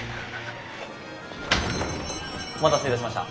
お待たせいたしました。